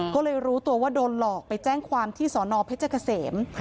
ก็เลยรู้ตัวว่าโดนหลอกไปแจ้งความที่สอนอเพชรเกษม